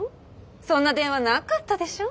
そんな電話なかったでしょ？